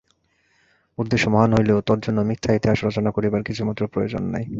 উদ্দেশ্য মহান হইলেও তজ্জন্য মিথ্যা ইতিহাস রচনা করিবার কিছুমাত্র প্রয়োজন নাই।